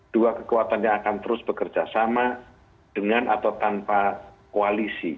dua kekuatan yang akan terus bekerja sama dengan atau tanpa koalisi